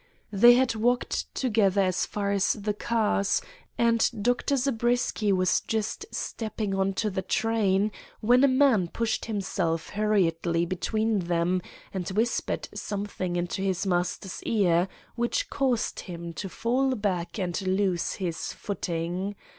They had walked together as far as the cars, and Dr. Zabriskie was just stepping on to the train when a man pushed himself hurriedly between them and whispered something into his master's ear, which caused him to fall back and lose his footing.